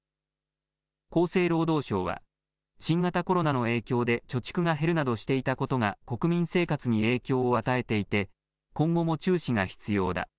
厚生労働省は新型コロナの影響で貯蓄が減るなどしていたことが国民生活に影響を与えていて今後も注視が必要だ。